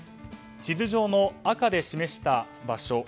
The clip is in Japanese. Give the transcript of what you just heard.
地図上の赤で示した場所